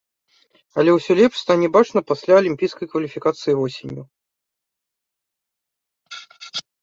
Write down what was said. Але ўсё лепш стане бачна пасля алімпійскай кваліфікацыі восенню.